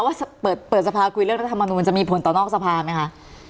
ว่าเปิดสภาคุยเรื่องรัฐธรรมนูลจะมีผลต่อนอกสภาไหมคะ